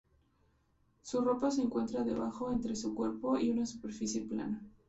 Su ropa se encuentra debajo, entre su cuerpo y una superficie plana.